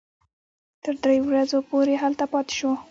تر درې ورځو پورې هلته پاتې شوو.